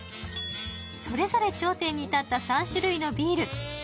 それぞれ頂点に立った３種類のビール。